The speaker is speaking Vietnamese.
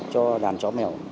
cho đàn chó mèo